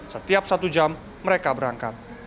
setiap satu jam mereka berangkat